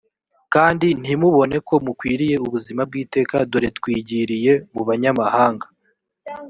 kandi ntimubone ko mukwiriye ubuzima bw iteka dore twigiriye mu banyamahanga